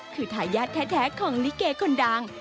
คือทายาทแท้ของลิเกคนดัง